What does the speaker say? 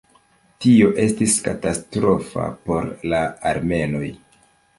Tio estis katastrofa por la armenoj.